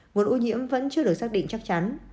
nguồn ô nhiễm vẫn chưa được xác định chắc chắn